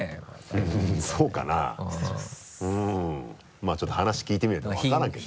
まぁちょっと話聞いてみないと分からんけど。